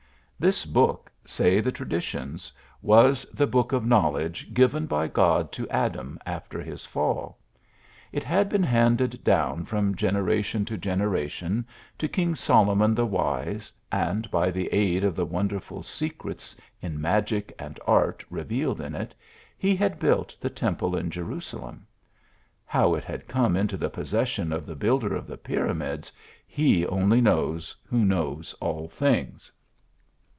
This book, say the traditions, was the book oJ knowledge given by God to Adam after his fall, ft had been handed down from generation to genera tion, to king Solomon the Wise, and by the aid of the wonderful secrets in magic and art revealed in it, he had built the temple of Jerusalem. How it had come into the possession of the builder of the Pyramids, He only knows who knows all things.